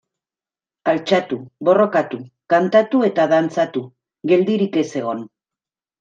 Altxatu, borrokatu, kantatu eta dantzatu, geldirik ez egon.